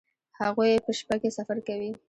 هغوی په شپه کې سفر کوي